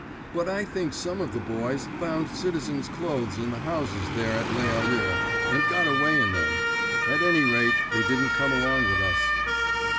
But I think some of the boys found citizens clothes in the houses there at Les Alleux, and got away in them. At any rate, they didn't come along with us."